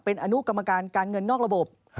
เป็นอนุกรรมการการเงินนอกระบบ